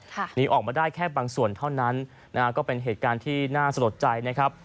หนีออกมาได้แค่บางส่วนเท่านั้นนะฮะก็เป็นเหตุการณ์ที่น่าสะลดใจนะครับ